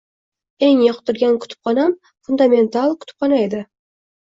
Eng yoqtirgan kutubxonam Fundamental kutubxona edi.